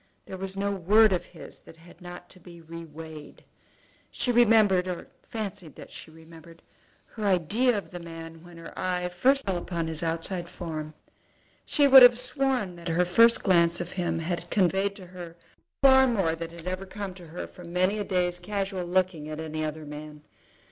There was no word of his that had not to be re weighed. She remembered, or fancied that she remembered, her idea of the man when her eye first fell upon his outside form. She would have sworn that her first glance of him had conveyed to her far more than had ever come to her from many a day's casual looking at any other man.